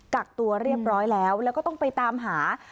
กักตัวเรียบร้อยแล้วแล้วก็ต้องไปตามหา